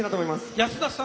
安田さん